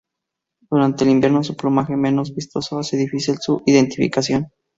Durante el invierno, su plumaje menos vistoso hace difícil su identificación.